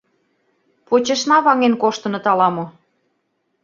Почешна ваҥен коштыныт ала-мо.